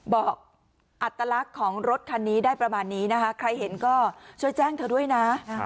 บอกอัตลักษณ์ของรถคันนี้ได้ประมาณนี้นะคะใครเห็นก็ช่วยแจ้งเธอด้วยนะ